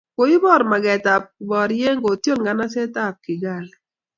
koibor magetab koborye kotiol nganaset ab Kigali